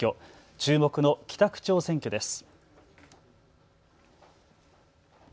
注目の北区長選挙です。